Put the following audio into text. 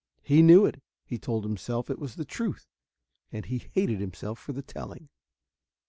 He knew it he told himself it was the truth and he hated himself for the telling.